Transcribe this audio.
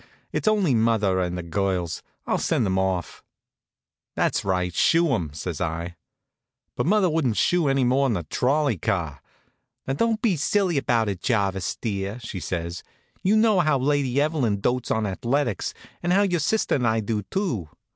"It's only mother and the girls. I'll send them off." "That's right; shoo 'em," says I. But mother wouldn't shoo any more'n a trolley car. "Now, don't be silly about it, Jarvis, dear," says she. "You know how Lady Evelyn dotes on athletics, and how your sister and I do, too.